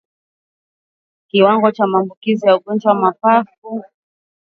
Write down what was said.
Kiwango cha maambukizi ya ugonjwa wa mapafu katika kundi la mifugo